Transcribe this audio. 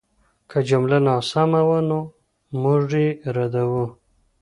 که جمله ناسمه وه، نو موږ یې ردوو.